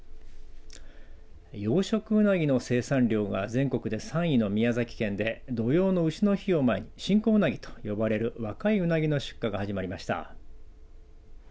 養殖うなぎの生産量が全国で３位の宮崎県で土用のうしの日を前に新仔うなぎと呼ばれる若いうなぎの出荷が始まりました。